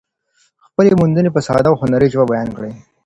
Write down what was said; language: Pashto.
خپلې موندنې په ساده او هنري ژبه بیان کړئ.